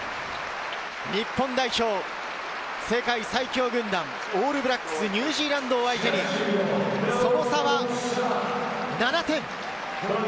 日本代表、世界最強軍団オールブラックス、ニュージーランドを相手にその差は７点。